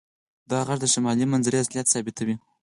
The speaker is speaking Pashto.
دا غږ د شمالي منظرې اصلیت ثابتوي